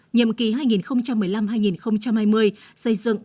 nhiệm kỳ hai nghìn một mươi năm hai nghìn hai mươi xây dựng tài ứng